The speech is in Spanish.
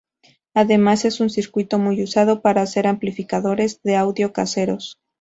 Además es un circuito muy usado para hacer amplificadores de audio caseros.